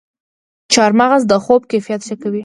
چارمغز د خوب کیفیت ښه کوي.